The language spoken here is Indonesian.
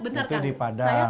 itu di padang